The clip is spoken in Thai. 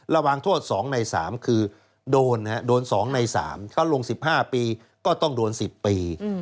ระหว่างโทษ๒ใน๓คือโดน๒ใน๓ถ้าลง๑๕ปีก็ต้องโดน๑๐ปี